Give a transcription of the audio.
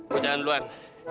gue jalan duluan